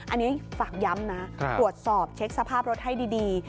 อันนี้ฝากย้ำนะตรวจสอบเช็คสภาพรถให้ดี